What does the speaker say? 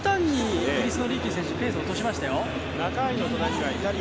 極端にリーキー選手、ペースを落としましたよ。